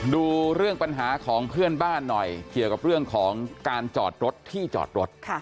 ดูเรื่องปัญหาของเพื่อนบ้านหน่อยเกี่ยวกับเรื่องของการจอดรถที่จอดรถ